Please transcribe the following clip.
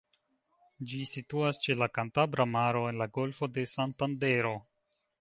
Ĝi situas ĉe la Kantabra Maro, en la Golfo de Santandero.